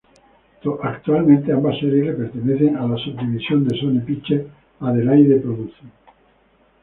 Actualmente, ambas series le pertenecen a la subdivisión de Sony Pictures, Adelaide Productions.